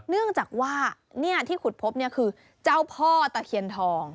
เนื่องจากว่าที่ขุดพบคือเจ้าพ่อตะเคียนทอง